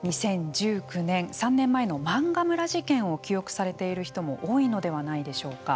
２０１９年３年前の漫画村事件を記憶されている人も多いのではないでしょうか。